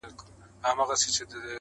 لا به دي غوغا د حسن پورته سي کشمیره,